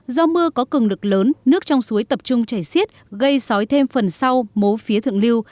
do mưa có cường lực lớn nước trong suối tập trung chảy xiết gây sói thêm phần sau mố phía thượng lưu